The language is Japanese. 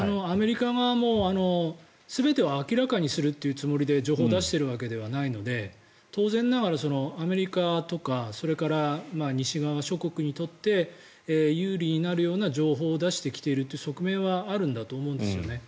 アメリカ側も全てを明らかにするつもりで情報を出しているわけではないので当然ながらアメリカとかそれから西側諸国にとって有利になるような情報を出してきているという側面はあるんだと思うんです。